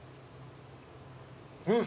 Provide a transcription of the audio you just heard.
うん！